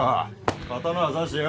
刀ぁ差してよ